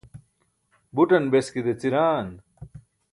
butan beske deciraan